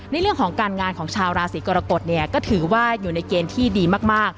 ในเรื่องของการงานของชาวราศีกรกฎเนี่ยก็ถือว่าอยู่ในเกณฑ์ที่ดีมาก